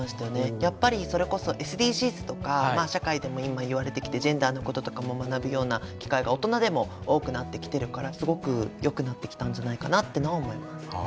やっぱりそれこそＳＤＧｓとか社会でも今言われてきてジェンダーのこととかも学ぶような機会が大人でも多くなってきてるからすごく良くなってきたんじゃないかなってのは思います。